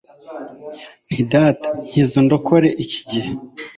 Nti, Data, nkiza undokore iki gihe."